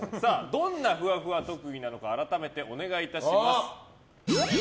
どんなふわふわ特技なのか改めてお願いします。